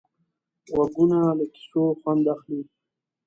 غوږونه له کیسو خوند اخلي